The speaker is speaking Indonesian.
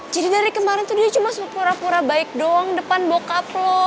jadi dari kemarin tuh dia cuma supura pura baik doang depan bokap lo